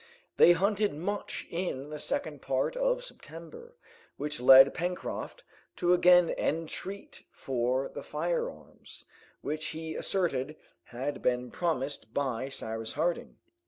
They hunted much in the second part of September, which led Pencroft to again entreat for the firearms, which he asserted had been promised by Cyrus Harding.